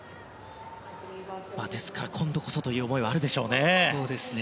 ですから、今度こそという思いはあるでしょう。